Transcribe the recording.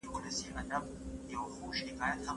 په قلم خط لیکل د دننه غږونو اوریدل دي.